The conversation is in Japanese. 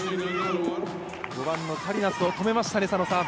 ５番のサリナスを止めましたね。